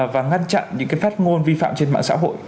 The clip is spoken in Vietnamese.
và ngăn chặn những cái phát ngôn vi phạm trên mạng xã hội